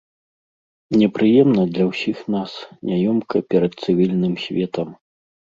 Непрыемна для ўсіх нас, няёмка перад цывільных светам.